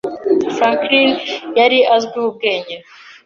Franklin yari azwiho ubwenge.